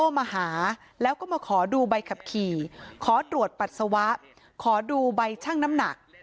มาหาแล้วก็มาขอดูใบขับขี่ขอตรวจปัสสาวะขอดูใบชั่งน้ำหนัก